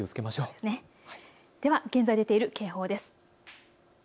では現在出ている警報です。